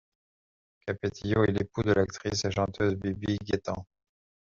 Capetillo est l'époux de l'actrice et chanteuse Bibi Gaytán.